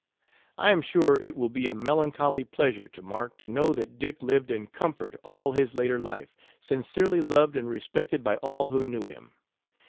I am sure it will be a melancholy pleasure to Mark to know that Dick lived in comfort all his later life, sincerely loved and respected by all who knew him.